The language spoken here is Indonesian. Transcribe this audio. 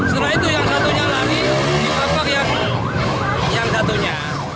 setelah itu yang satunya lari dipapak yang satunya